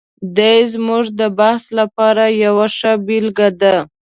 دی زموږ د بحث لپاره یوه ښه بېلګه ده.